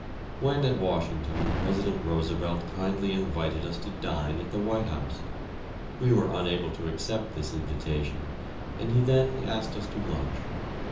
When at Washington President Roosevelt kindly invited us to dine at the White House. We were unable to accept this invitation, and he then asked us to lunch.